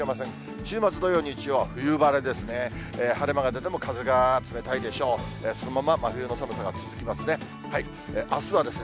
週末の土曜、日曜は冬晴れですね。